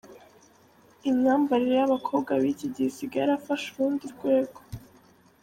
Imyambarire y’abakobwa biki gihe isigaye yarafashe urundi rwego .